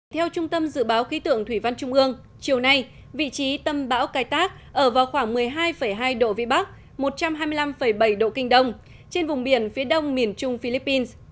theo trung tâm dự báo khí tượng thủy văn trung ương chiều nay vị trí tâm bão cài tác ở vào khoảng một mươi hai hai độ vĩ bắc một trăm hai mươi năm bảy độ kinh đông trên vùng biển phía đông miền trung philippines